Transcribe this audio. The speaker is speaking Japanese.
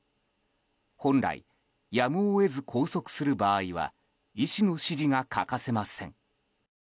本来、やむを得ず拘束する場合は医師の指示が欠かせません。